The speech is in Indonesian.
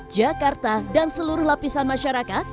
jakarta dan seluruh lapisan masyarakat